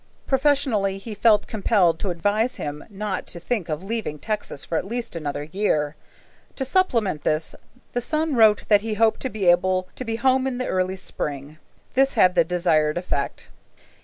Professionally he felt compelled to advise him not to think of leaving Texas for at least another year. To supplement this, the son wrote that he hoped to be able to go home in the early spring. This had the desired effect.